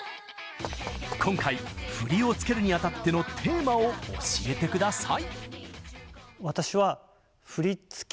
今回振りを付けるにあたってのテーマを教えてください。